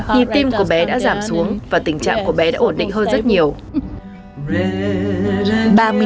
nhịp tim của bé đã giảm xuống và tình trạng của bé đã ổn định hơn rất nhiều